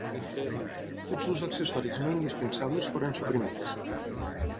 Tots els accessoris no indispensables foren suprimits.